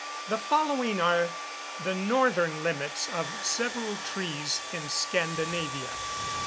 The following are the northern limits of several trees in Scandinavia: Lat.